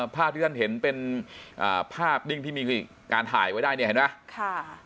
ภาพที่ท่านเห็นเป็นภาพดิ้งที่มีการถ่ายไว้ได้เนี่ยเห็นไหม